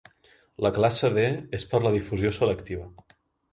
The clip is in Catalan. La classe D és per la difusió selectiva.